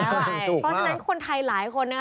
เพราะฉะนั้นคนไทยหลายคนนะคะ